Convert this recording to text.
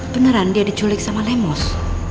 beneran dia diculik sama lemos